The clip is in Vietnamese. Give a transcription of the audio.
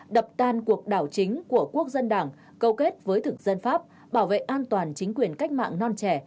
đập tan cuộc đảo chính của quốc dân đảng câu kết với thực dân pháp bảo vệ an toàn chính quyền cách mạng non trẻ